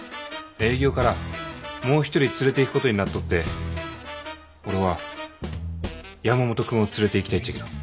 営業からもう１人連れていくことになっとって俺は山本君を連れていきたいっちゃけど。